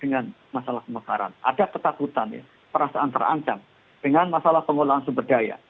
dengan masalah pemekaran ada ketakutan ya perasaan terancam dengan masalah pengelolaan sumber daya